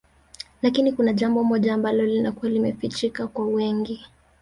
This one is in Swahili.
Lakini kuna jambo moja ambalo linakuwa limefichika kwa wengi